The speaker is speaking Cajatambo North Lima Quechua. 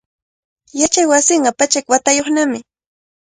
Yachaywasinqa pachak watayuqnami.